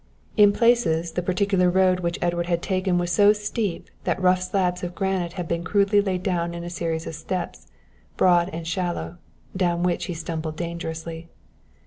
In places, the particular road which Edward had taken was so steep that rough slabs of granite had been crudely laid down in a series of steps, broad and shallow, down which he stumbled dangerously.